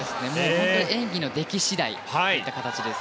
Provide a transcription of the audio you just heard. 本当に演技の出来次第といった形です。